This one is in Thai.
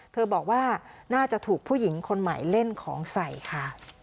บอกว่าน่าจะถูกผู้หญิงคนใหม่เล่นของใส่ค่ะ